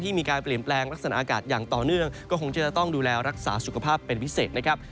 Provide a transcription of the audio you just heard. มีการเปลี่ยนแปลงลักษณะอากาศอย่างต่อเนื่องก็คงจะต้องดูแลรักษาสุขภาพเป็นพิเศษนะครับ